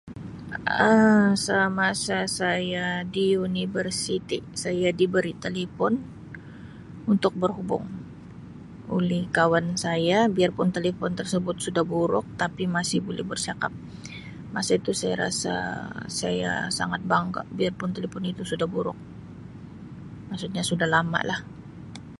Um Samasa saya di universiti saya diberi talipun untuk berhubung oleh kawan saya biar pun talipun tersebut sudah buruk tapi masih boleh bercakap masa itu saya rasa saya sangat bangga biar pun talipun itu sudah buruk maksudnya suda lama lah.